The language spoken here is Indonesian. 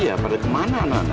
iya pada kemana anak anaknya